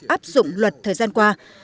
áp dụng luật thời gian qua